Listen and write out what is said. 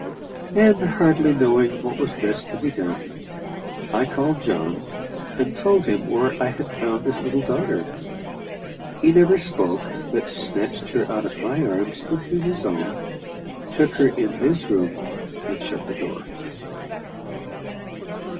And, hardly knowing what was best to be done, I called John, and told him where I had found his little daughter. He never spoke, but snatched her out of my arms into his own, took her in his room, and shut the door.